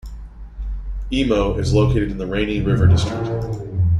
Emo is located in the Rainy River District.